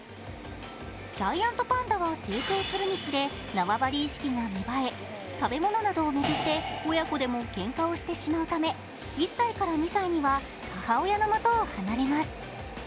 ジャイアントパンダは成長するにつれ、縄張り意識が芽生え食べ物などを巡って親子でもけんかをしてしまうため、１歳から２歳には母親のもとを離れます。